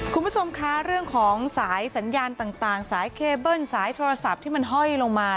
คุณผู้ชมคะเรื่องของสายสัญญาณต่างสายเคเบิ้ลสายโทรศัพท์ที่มันห้อยลงมา